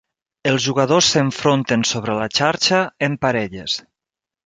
Els jugadors s'enfronten sobre la xarxa en parelles.